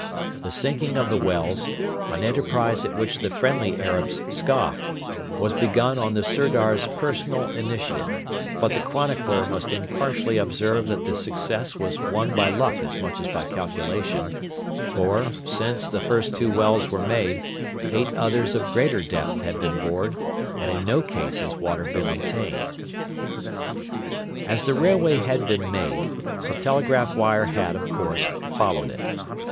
The sinking of the wells, an enterprise at which the friendly Arabs scoffed, was begun on the Sirdar's personal initiative; but the chronicler must impartially observe that the success was won by luck as much as by calculation, for, since the first two wells were made, eight others of greater depth have been bored and in no case has water been obtained. As the railway had been made, the telegraph wire had, of course, followed it.